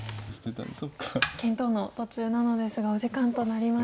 検討の途中なのですがお時間となりました。